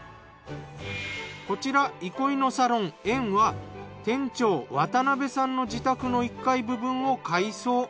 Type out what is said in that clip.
こちら憩のサロン・縁は店長渡邊さんの自宅の１階部分を改装